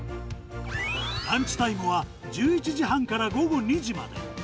ランチタイムは１１時半から午後２時まで。